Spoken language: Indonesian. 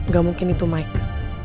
gak mungkin itu mike